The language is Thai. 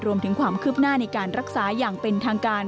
รวมถึงความคืบหน้าในการรักษาอย่างเป็นทางการ